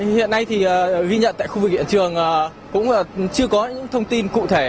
hiện nay thì ghi nhận tại khu vực hiện trường cũng chưa có những thông tin cụ thể